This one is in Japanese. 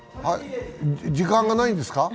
時間がないんですか。